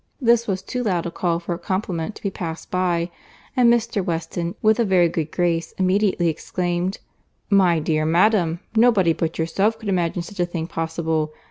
This was too loud a call for a compliment to be passed by, and Mr. Weston, with a very good grace, immediately exclaimed, "My dear madam! Nobody but yourself could imagine such a thing possible.